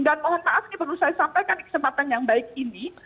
dan mohon maaf ini perlu saya sampaikan kesempatan yang baik ini